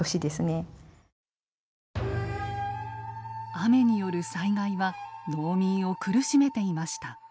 雨による災害は農民を苦しめていました。